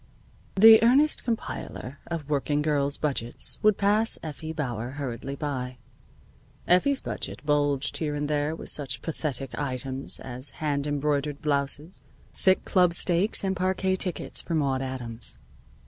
The earnest compiler of working girls' budgets would pass Effie Bauer hurriedly by. Effie's budget bulged here and there with such pathetic items as hand embroidered blouses, thick club steaks, and parquet tickets for Maude Adams.